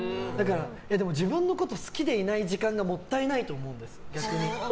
でも、自分のことを好きでいない時間がもったいないと思うんです、逆に。